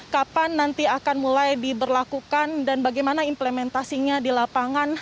kapan nanti akan mulai diberlakukan dan bagaimana implementasinya di lapangan